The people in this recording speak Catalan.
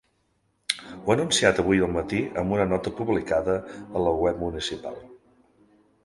Ho ha anunciat avui al matí amb una nota publicada a la web municipal.